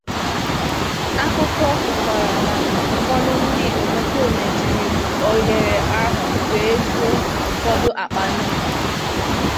Akụkọ kọkwara na ụfọdụ ndị omekome jiri ohere ahụ wee zuo ụfọdụ àkpà nnu